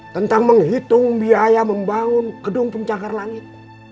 tentang menghitung biaya membangun gedung pencakar langit